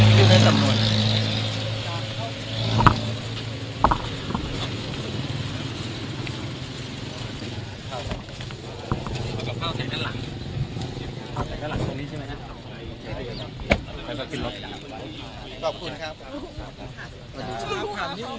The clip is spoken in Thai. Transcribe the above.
ขอเก็บข้าวใส่ข้างหลังขอเก็บข้าวใส่ข้างหลังตรงนี้ใช่ไหมฮะ